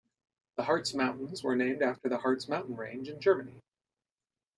The Hartz Mountains were named after the Harz mountain range in Germany.